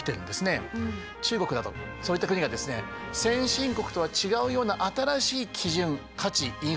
中国などそういった国がですね先進国とは違うような新しい基準価値インフラ。